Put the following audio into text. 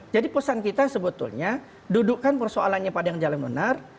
jadi pesan kita sebetulnya dudukkan persoalannya pada yang jalur yang benar